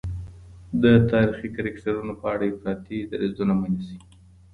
د تاریخي کرکټرونو په اړه افراطي دریځونه مه نیسئ.